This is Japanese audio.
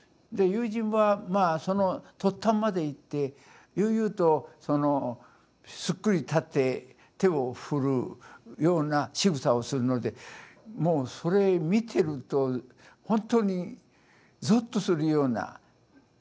で友人はまあその突端まで行って悠々とそのすっくり立って手を振るようなしぐさをするのでもうそれ見てると本当にぞっとするような。